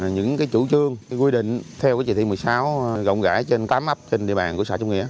những chủ trương quy định theo chỉ thị một mươi sáu rộng rãi trên tám ấp trên địa bàn của xã trung nghĩa